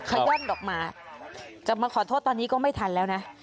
ขย่อนออกมาจะมาขอโทษตอนนี้ก็ไม่ทันแล้วนะ